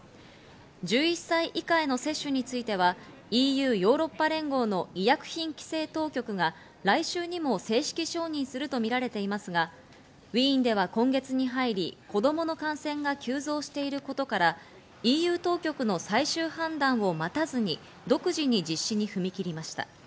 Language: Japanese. １１歳以下への接種についてはＥＵ＝ヨーロッパ連合の医薬品規制当局が来週にも正式承認するとみられていますが、ウィーンでは今月に入り、子供の感染が急増していることからＥＵ当局の最終判断を待たずに独自に実施に踏み切りました。